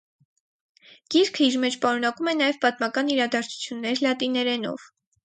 Գիրքը իր մեջ պարունակում է նաև պատմական իրադարձություններ լատիներենով։